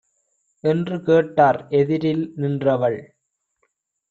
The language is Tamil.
என்று கேட்டார். எதிரில் நின்றவள்